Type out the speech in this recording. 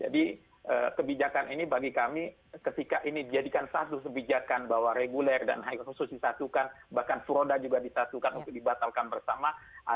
jadi kebijakan ini bagi kami ketika ini dijadikan satu kebijakan bahwa reguler dan khusus disatukan bahkan furoda juga disatukan untuk dibatalkan bersama